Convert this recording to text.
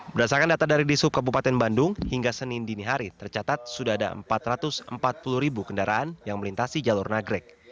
berdasarkan data dari disub kabupaten bandung hingga senin dini hari tercatat sudah ada empat ratus empat puluh ribu kendaraan yang melintasi jalur nagrek